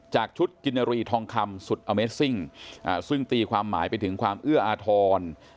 จากชุดกินนารีทองคำสุดอเมซิ่งซึ่งตีความหมายไปถึงความเอื้ออาทร